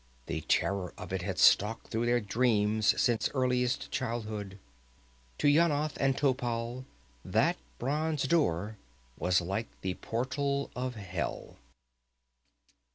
The terror of it had stalked through their dreams since earliest childhood. To Yanath and Topal that bronze door was like the portal of hell.